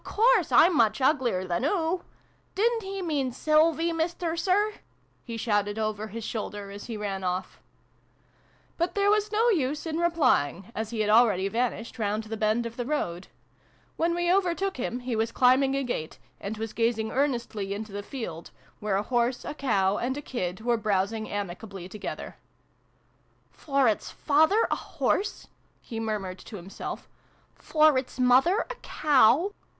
A course I'm much uglier than oo ! Didn't he mean Sylvie, Mister Sir ?" he shouted over his shoulder, as he ran off. iv] THE DOG KING. 57 But there was no use in replying, as he had already vanished round the bend of the road. When we overtook him he was climbing a gate, and was gazing earnestly into the field, where a horse, a cow, and a kid were browsing amicably together. " For its father, a Horse" he murmured to himself. " For its mother, a Cow.